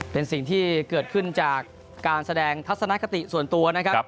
เป็นสิ่งที่เกิดขึ้นจากการแสดงทัศนคติส่วนตัวนะครับ